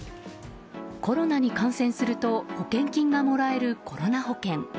コロナに感染すると保険金がもらえるコロナ保険。